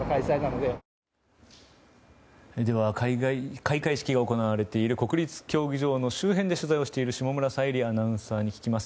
開会式が行われている国立競技場の周辺で取材をしている下村彩里アナウンサーに聞きます。